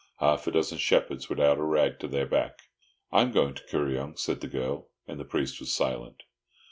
Half a dozen shepherds, widout a rag to their back." "I am going to Kuryong," said the girl; and the priest was silent.